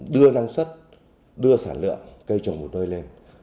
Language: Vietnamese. đưa năng suất đưa sản lượng cây trồng một nơi lên